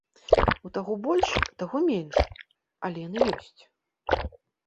У таго больш, у таго менш, але яны ёсць.